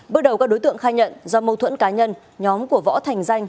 bước đầu các đối tượng khai nhận do mâu thuẫn cá nhân nhóm của võ thành danh